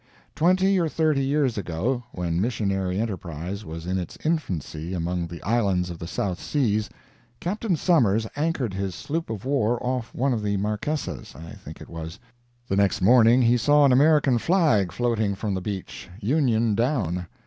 Twenty or thirty years ago, when missionary enterprise was in its infancy among the islands of the South Seas, Capt. Summers anchored his sloop of war off one of the Marquesas, I think it was. The next morning he saw an American flag floating from the beach, union down.